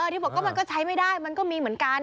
ที่บอกว่ามันก็ใช้ไม่ได้มันก็มีเหมือนกัน